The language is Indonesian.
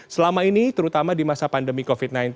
selama ini terutama di masa pandemi covid sembilan belas